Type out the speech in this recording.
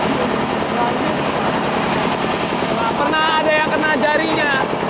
tidak pernah ada yang kena jarinya